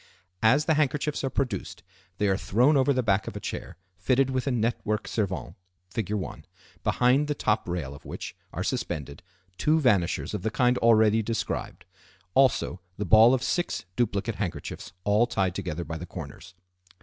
As the handkerchiefs are produced they are thrown over the back of a chair fitted with a network servante (Fig. 1), behind the top rail of which are suspended two vanishers of the kind already described; also the ball of six duplicate handkerchiefs all tied together by the corners.